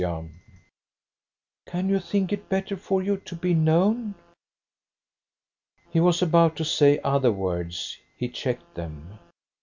"Can you think it better for you to be known?" He was about to say other words: he checked them.